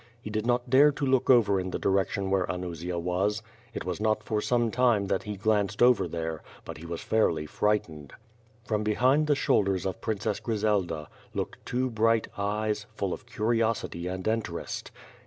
He did not dare to look over in the direc tion where Anusia was. It was not for some time that he glanced over there, but he was fairly frightened. From behind the shoulders of Princess Grizelda, looked two bright eyes, full of curiosity and interest.